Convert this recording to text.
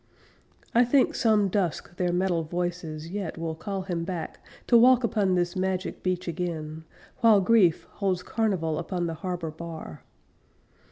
I think some dusk their metal voices Yet will call him back To walk upon this magic beach again, While Grief holds carnival upon the harbor bar.